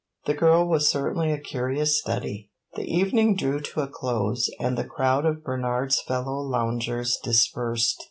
The girl was certainly a curious study. The evening drew to a close and the crowd of Bernard's fellow loungers dispersed.